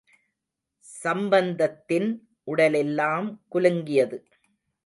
சம்பந்தத்தின் உடலெல்லாம் குலுங்கியது.